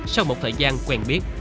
sau một thời gian quen biết